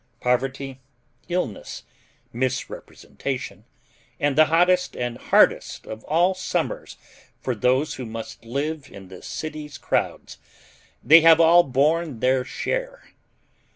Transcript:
Poverty, illness, misrepresentation, and the hottest and hardest of all summers for those who must live in the city's crowds they have all borne their share.